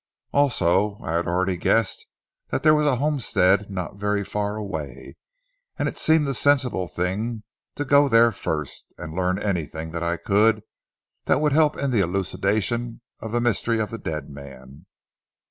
Also I had already guessed that there was a homestead not very far away, and it seemed the sensible thing to go there first, and learn anything that I could that would help in the elucidation of the mystery of the dead man."